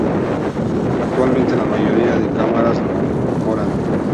Actualmente, la mayoría de cámaras lo incorporan.